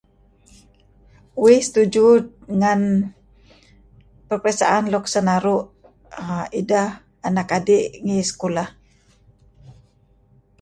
Uih setuju ngan peperiksaan luk senaru' ideh anak adi' ngi sekulah .